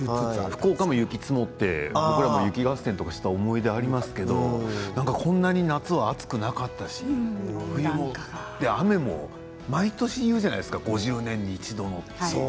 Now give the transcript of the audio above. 福岡も雪が積もって雪合戦した思い出がありますがこんなに夏は暑くなかったし雨も毎年言うじゃないですか５０年に一度って。